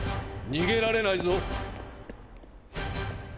逃げられないぞ。